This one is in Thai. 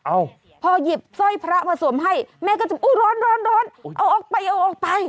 เอาพอหยิบสร้อยพระมาสวมให้แม่ก็จะอุ้ยร้อนร้อนเอาออกไปเอาออกไป